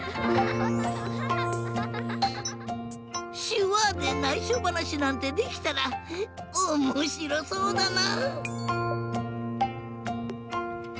しゅわでないしょばなしなんてできたらおもしろそうだな！